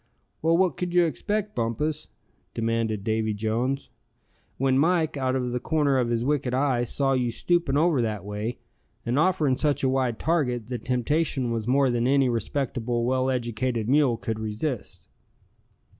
"Well, what could you expect, Bumpus?" demanded Davy Jones. "When Mike, out of the corner of his wicked eye, saw you stooping over that way, and offering such a wide target, the temptation was more than any respectable, well educated mule could resist."